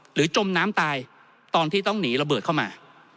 จมน้ำตายตอนที่ต้องหนีระเบิดเข้ามา